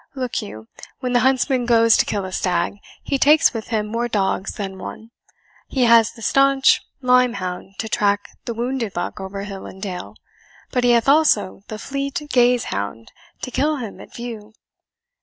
Look you, when the huntsman goes to kill a stag, he takes with him more dogs than one. He has the stanch lyme hound to track the wounded buck over hill and dale, but he hath also the fleet gaze hound to kill him at view.